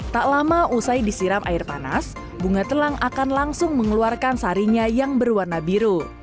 tak lama usai disiram air panas bunga telang akan langsung mengeluarkan sarinya yang berwarna biru